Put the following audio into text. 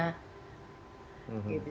jadi karena dia udah tahu